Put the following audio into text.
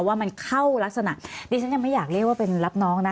ว่ามันเข้ารักษณะดิฉันยังไม่อยากเรียกว่าเป็นรับน้องนะ